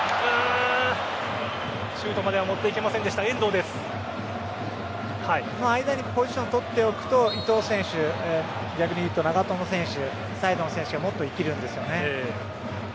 シュートまでは持っていけませんでした間にポジションを取っておくと伊東選手逆に言うと長友選手サイドの選手がもっと生きるんです。